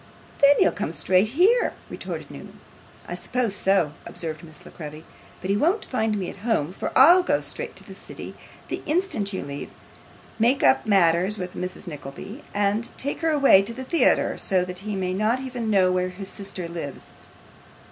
'Then he will come straight here,' retorted Newman. 'So I suppose,' observed Miss La Creevy; 'but he won't find me at home, for I'll go straight to the city the instant you leave me, make up matters with Mrs. Nickleby, and take her away to the theatre, so that he may not even know where his sister lives.